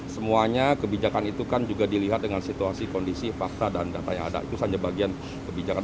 semuanya kebijakan itu kan juga dilihat dengan situasi kondisi fakta dan data yang ada itu saja bagian kebijakan